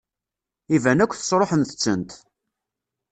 Iban akk tesṛuḥemt-tent.